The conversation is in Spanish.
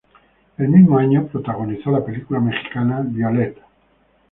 El mismo año, protagonizó la película mexicana "Violet".